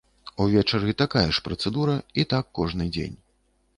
Увечары такая ж працэдура, і так кожны дзень.